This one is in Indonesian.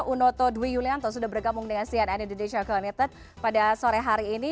unoto dwi yulianto sudah bergabung dengan cnn indonesia connected pada sore hari ini